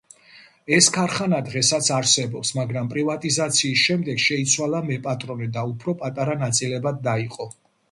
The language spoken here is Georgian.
ეს ქარხანა დღესაც არსებობს, მაგრამ პრივატიზაციის შემდეგ შეიცვალა მეპატრონე და უფრო პატარა ნაწილებად დაიყო.